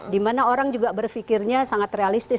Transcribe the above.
dimana orang juga berpikirnya sangat realistis